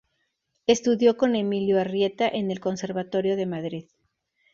Estudió con Emilio Arrieta en el Conservatorio de Madrid.